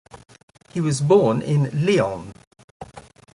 He was born in Lyon.